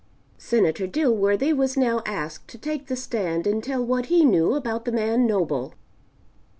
Senator Dilworthy was now asked to take the stand and tell what he knew about the man Noble.